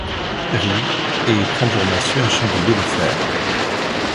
Rit, et prend pour massue un chandelier de fer